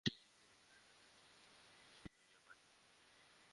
সে কী করিবে, কাহাকে ডাকিবে, কোথায় যাইবে কিছুই ভাবিয়া পাইল না।